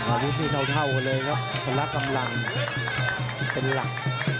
อาวุธนี่เท่ากันเลยครับพละกำลังเป็นหลัก